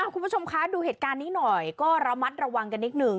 คุณผู้ชมคะดูเหตุการณ์นี้หน่อยก็ระมัดระวังกันนิดหนึ่ง